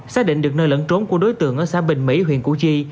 xác định được nơi lẫn trốn của đối tượng ở xã bình mỹ huyện củ chi